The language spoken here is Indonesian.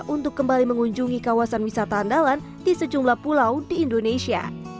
untuk kembali mengunjungi kawasan wisata andalan di sejumlah pulau di indonesia